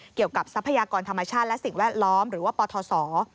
ทรัพยากรธรรมชาติและสิ่งแวดล้อมหรือว่าปทศ